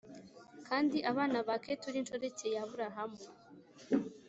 Kandi abana ba Ketura inshoreke ya Aburahamu